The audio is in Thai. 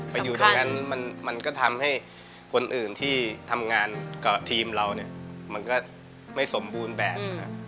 อยู่ตรงนั้นมันก็ทำให้คนอื่นที่ทำงานกับทีมเราเนี่ยมันก็ไม่สมบูรณ์แบบนะครับ